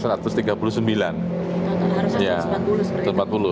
harus satu ratus empat puluh seperti itu